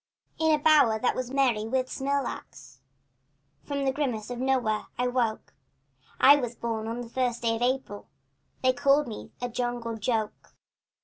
In a bower that was merry with smilax From the grimace of no where, I woke I was born on the first day of April And they called me a jungle joke.